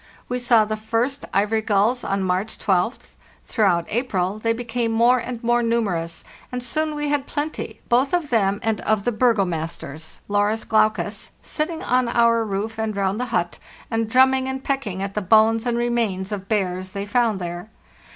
We saw the first ivory gulls on March 12th; throughout April they became more and more numerous, and soon we had plenty, both of them and of the burgomasters (Larus glaucus), sitting on our roof and round the hut, and drumming and pecking at the bones and remains of bears they found there.